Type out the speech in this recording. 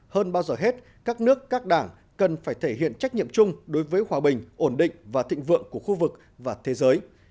hơn bao giờ hết các nước các đảng cần phải thể hiện trách nhiệm chung đối với hòa bình ổn định và thịnh vượng của khu vực và thế giới